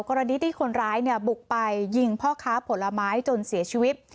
กรณีที่คนร้ายบุกไปยิงพ่อค้าผลไม้จนเสียชีวิต